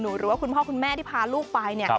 หรือว่าคุณพ่อคุณแม่ที่พาลูกไปเนี่ย